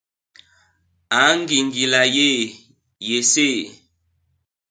A ngingila yéé ! yéséé !